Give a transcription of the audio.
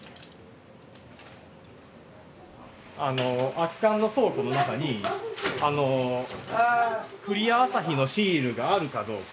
空き缶の倉庫の中にクリアアサヒのシールがあるかどうか。